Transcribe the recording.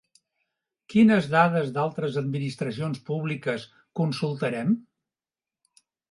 Quines dades d'altres administracions públiques consultarem?